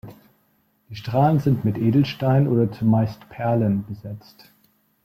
Die Strahlen sind mit Edelsteinen oder zumeist Perlen besetzt.